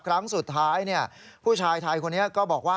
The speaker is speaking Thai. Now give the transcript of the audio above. ครั้งสุดท้ายผู้ชายไทยคนนี้ก็บอกว่า